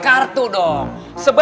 putih apaan sih